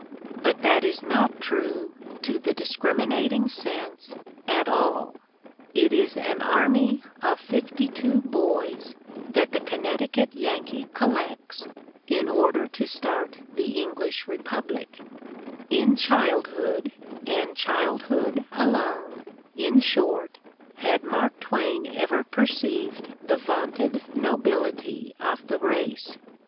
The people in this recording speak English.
But that is not true, to the discriminating sense, at all. It is an army of fifty two boys that the / Connecticut Yankee collects in order to start the Eng lish republic: in childhood, and childhood alone, in short, had Mark Twain ever perceived the vaunted / nobility of the race.